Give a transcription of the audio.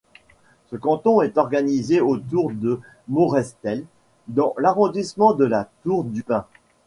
Ce canton est organisé autour de Morestel dans l'arrondissement de La Tour-du-Pin.